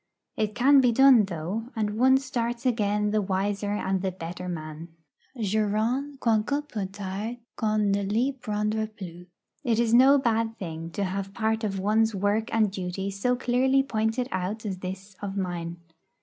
It can be done, though; and one starts again the wiser and the better man. 'Jurant, quoiqu'un peu tard, qu'on ne l'y prendra plus.' It is no bad thing to have part of one's work and duty so clearly pointed out as this of mine.